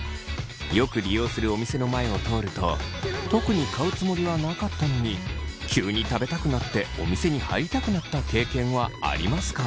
よく利用するお店の前を通ると特に買うつもりはなかったのに急に食べたくなってお店に入りたくなった経験はありますか。